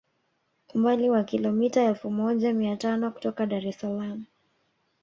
Umbali wa kilometa elfu moja mia tano kutoka Dar es Salaam